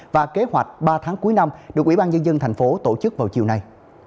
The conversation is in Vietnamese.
và kế hoạch ba tháng cuối năm được ủy ban nhân dân tp hcm tổ chức vào chiều nay